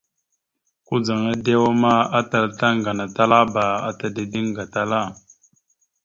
Kudzaŋ edewa ma, atal tàŋganatalaba ata dideŋ gatala.